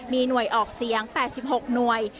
มีหน่วยออกเสียง๘๖หน่วย